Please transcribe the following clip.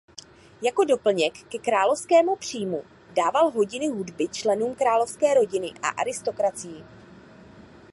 Jako doplněk ke královskému příjmu dával hodiny hudby členům královské rodiny a aristokracii.